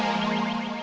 saya ke dalam dulu ya